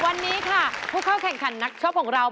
วันนี้ค่ะผู้เข้าแข่งขันนักช็อปของเรา